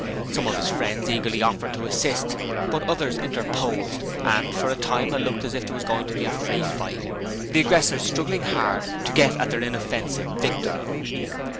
Some of his friends eagerly offered to assist, but others interposed, and for a time it looked as if there was going to be a free fight, the aggressors struggling hard to get at their inoffensive victim.